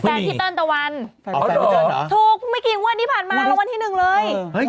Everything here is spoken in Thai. แฟนพิเติร์นตะวันถูกไม่กี่วันที่ผ่านมารางวัลที่๑เลย